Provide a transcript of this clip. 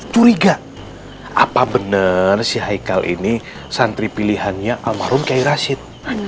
curiga apa bener si haikal ini santri pilihannya almarhum kairasid